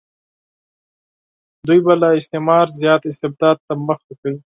دوی به له استعمار زیات استبداد ته مخه کوي.